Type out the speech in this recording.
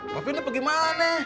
tapi ini pergi mana